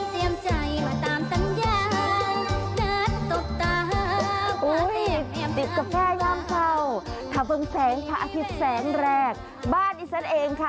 สาวของเตรียมที่เตรียมใจมาตามสัญญาณนัดตกตามพระเต้มติดกาแฟย่ามเข่าถาเบิงแสงพระอาทิตย์แสงแรกบ้านอีสันเองค่ะ